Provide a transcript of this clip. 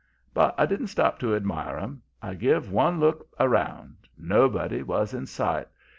"But I didn't stop to admire 'em. I give one look around. Nobody was in sight.